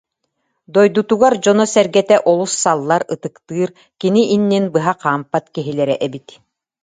Дойдутугар дьоно-сэргэтэ олус саллар, ытыктыыр, кини иннин быһа хаампат киһилэрэ эбит